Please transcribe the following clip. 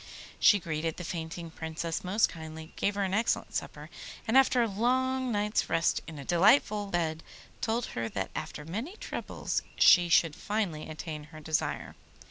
She greeted the fainting Princess most kindly, gave her an excellent supper, and after a long night's rest in a delightful bed told her that after many troubles she should finally attain her desire.